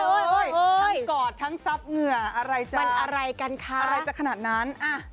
ทั้งกอดทั้งซับเหงื่ออะไรจ้ะอะไรจ้ะขนาดนั้นมันอะไรกันคะ